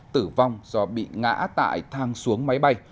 tử vong do bị ngã tại thang xuống máy bay